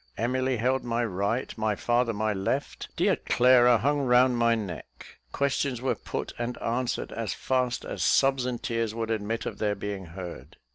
Emily held my right, my father my left; dear Clara hung round my neck. Questions were put and answered as fast as sobs and tears would admit of their being heard.